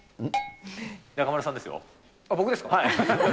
僕ですか？